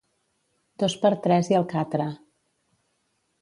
Dos per tres i el catre.